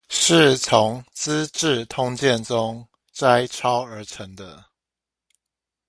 是從資治通鑑中摘抄而成的